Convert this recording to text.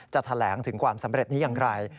แถลงถึงความสำเร็จนี้อย่างไร